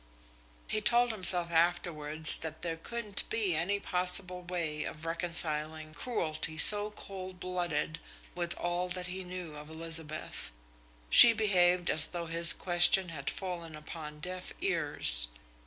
He told himself afterwards that there couldn't be any possible way of reconciling cruelty so cold blooded with all that he knew of Elizabeth. She behaved as though his question had fallen upon deaf ears.